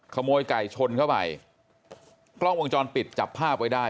ขโมยไก่ชนเข้าไปกล้องวงจรปิดจับภาพไว้ได้